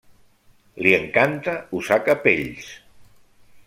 Li encanta usar capells.